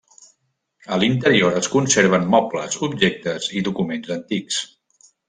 A l'interior es conserven mobles, objectes i documents antics.